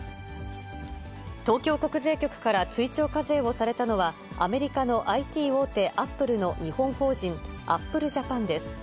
東京国税局から追徴課税をされたのは、アメリカのＩＴ大手、アップルの日本法人、アップルジャパンです。